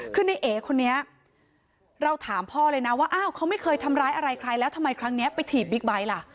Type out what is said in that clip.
คือในเอคนนี้เราถามพ่อเลยนะว่าอ้าวเขาไม่เคยทำร้ายอะไรใครแล้วทำไมครั้งนี้ไปถีบบิ๊กไบท์ล่ะ